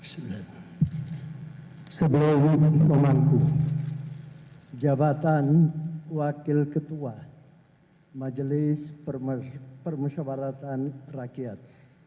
sebelum memangku jabatan wakil ketua majelis permusyawaratan rakyat